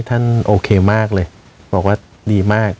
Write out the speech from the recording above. เก็บที่นี้ธันโอเคมากเลยเดี๋ยวก่อนว่าดีมาก